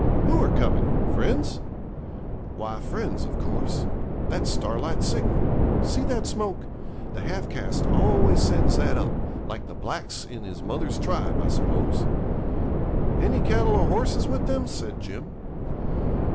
'Who are coming friends?' 'Why, friends, of course. That's Starlight's signal. See that smoke? The half caste always sends that up like the blacks in his mother's tribe, I suppose.' 'Any cattle or horses with them?' said Jim.